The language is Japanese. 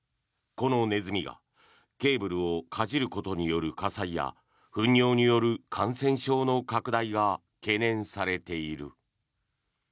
このネズミがケーブルをかじることによる火災や糞尿による感染症の拡大が懸念されている。